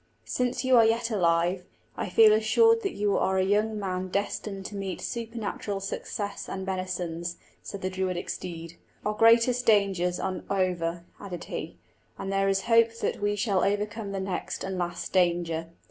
"Since you are yet alive, I feel assured that you are a young man destined to meet supernatural success and benisons," said the Druidic steed. "Our greatest dangers are over," added he, "and there is hope that we shall overcome the next and last danger."